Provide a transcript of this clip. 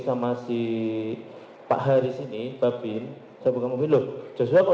dan saya menyiapkan barang